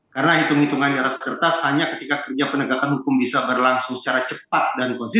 karena hitung hitungan di atas kertas hanya ketika kerja penegakan hukum bisa berlangsung